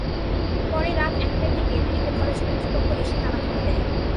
পরে রাত একটার দিকে মেডিকেল কলেজ কর্তৃপক্ষ এসে তালা খুলে দেয়।